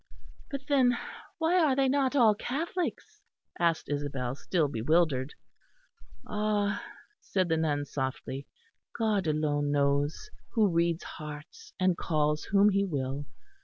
"But then why are they not all Catholics?" asked Isabel, still bewildered. "Ah!" said the nun, softly, "God alone knows, who reads hearts and calls whom He will.